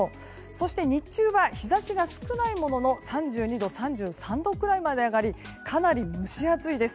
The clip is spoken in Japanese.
そして、日中は日差しが少ないものの３２度、３３度くらいまで上がりかなり蒸し暑いです。